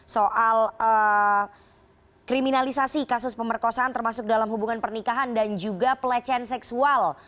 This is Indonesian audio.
soal kriminalisasi kasus pemerkosaan termasuk dalam hubungan pernikahan dan juga pelecehan seksual